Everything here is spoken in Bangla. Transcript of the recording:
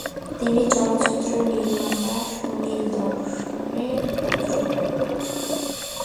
তিনি চলচ্চিত্র নির্মাতা সুনীল দর্শনের পুত্র।